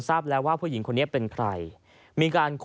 ทราบแล้วว่าผู้หญิงคนนี้เป็นใคร